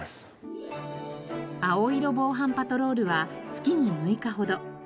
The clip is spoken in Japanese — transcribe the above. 青色防犯パトロールは月に６日ほど。